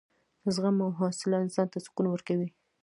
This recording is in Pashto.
زغم او حوصله انسان ته سکون ورکوي.